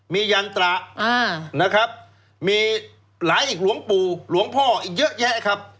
มียันตระนะครับมีหลายอีกหลวงปู่หลวงพ่ออีกเยอะแยะครับ